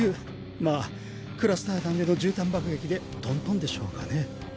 まあクラスター弾での絨毯爆撃でトントンでしょうかね。